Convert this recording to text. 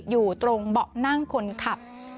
อยู่ตรงเบาะนั่งคนขับ